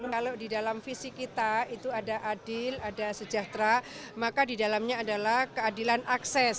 kalau di dalam visi kita itu ada adil ada sejahtera maka di dalamnya adalah keadilan akses